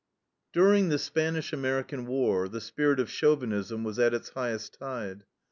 During the Spanish American war the spirit of chauvinism was at its highest tide.